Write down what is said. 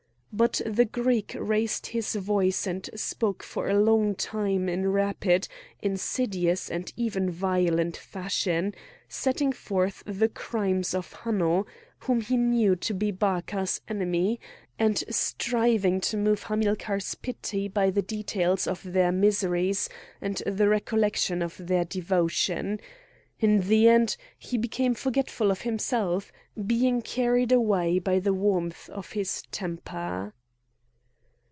But the Greek raised his voice and spoke for a long time in rapid, insidious, and even violent fashion, setting forth the crimes of Hanno, whom he knew to be Barca's enemy, and striving to move Hamilcar's pity by the details of their miseries and the recollection of their devotion; in the end he became forgetful of himself, being carried away by the warmth of his temper.